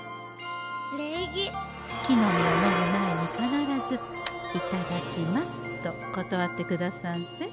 木の実をもぐ前に必ず「いただきます」と断ってくださんせ。